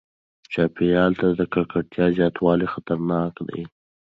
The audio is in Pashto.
چاپیریال ته د ککړتیا زیاتوالی خطرناک دی.